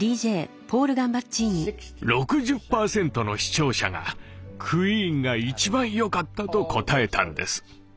６０％の視聴者がクイーンが一番よかったと答えたんです。